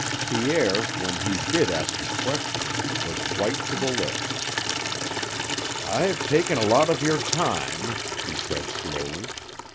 Pierre, when he did ask his question, was white to the lips. "I've taken a lot of your time," he said slowly.